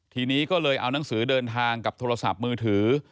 ทีนี้ก็เลยเอานังสือเดินทางกับโทรศัพท์มือถือ